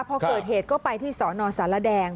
พอเกิดเหตุก็ไปที่สนสารแดง